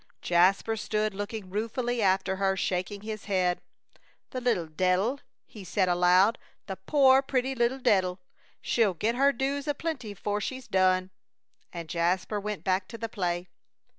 Jasper stood looking ruefully after her, shaking his head. "The little de'il!" he said aloud; "the poor, pretty little de'il. She'll get her dues aplenty afore she's done." And Jasper went back to the play.